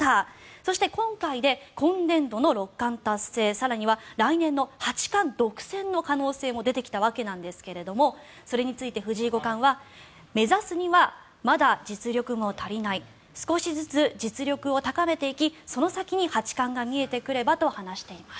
そして今回で今年度の六冠達成更には来年の八冠独占の可能性も出てきたわけですがそれについて藤井五冠は目指すにはまだ実力も足りない少しずつ実力を高めていきその先に八冠が見えてくればと話しています。